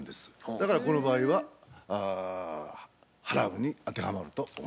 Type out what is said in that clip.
だからこの場合は払うに当てはまると思います。